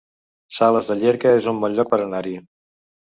Sales de Llierca es un bon lloc per anar-hi